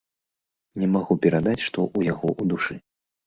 Не магу перадаць, што ў яго ў душы.